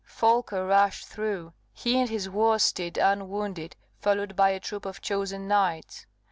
Folko rushed through he and his war steed unwounded followed by a troop of chosen knights.